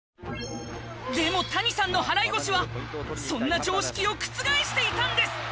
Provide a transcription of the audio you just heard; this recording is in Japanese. でも谷さんの払腰はそんな常識を覆していたんです。